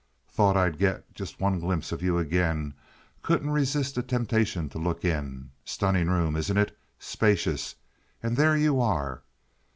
"Thought I'd get just one glimpse of you again. Couldn't resist the temptation to look in. Stunning room, isn't it? Spacious—and there you are!